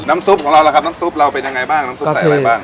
น้ำซุปของเราละครับน้ำซุปเราเป็นยังไงบ้าง